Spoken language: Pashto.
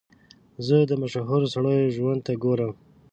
زه د مشهورو سړیو ژوند ته ګورم.